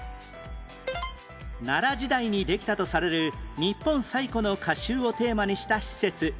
奈良時代にできたとされる日本最古の歌集をテーマにした施設